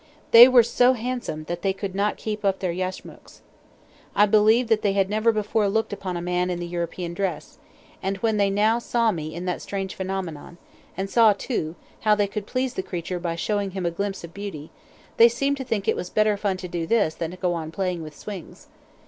They were so handsome, that they could not keep up their yashmaks. I believe that they had never before looked upon a man in the European dress, and when they now saw in me that strange phenomenon, and saw, too, how they could please the creature by showing him a glimpse of beauty, they seemed to think it was better fun to do this than to go on playing with swings.